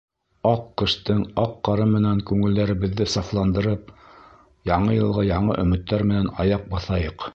Аҡ ҡыштың аҡ ҡары менән күңелдәребеҙҙе сафландырып, Яңы йылға яңы өмөттәр менән аяҡ баҫайыҡ.